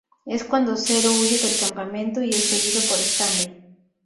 Es cuando Zero huye del campamento y es seguido por Stanley.